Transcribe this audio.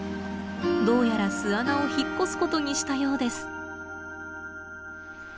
どうやら巣穴を引っ越すことにしたようです。